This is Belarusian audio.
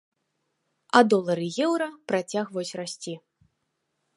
А долар і еўра працягваюць расці.